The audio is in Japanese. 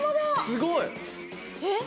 すごい！えっ！